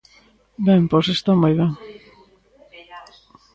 Ben, ¡pois está moi ben!